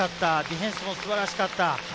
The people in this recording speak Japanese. ディフェンスも素晴らしかった。